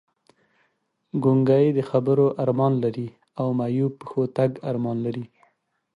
ګونګی د خبرو ارمان لري او معیوب پښو تګ ارمان لري!